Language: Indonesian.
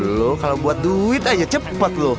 lo kalo buat duit aja cepet lo